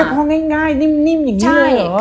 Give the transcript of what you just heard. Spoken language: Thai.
พี่พ่อง่ายนิ่มอย่างนี้เลยเหรอ